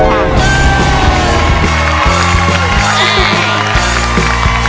ใจร้ายมากพี่ป๋อง